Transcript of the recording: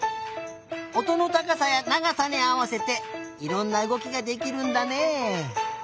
おとのたかさやながさにあわせていろんなうごきができるんだね。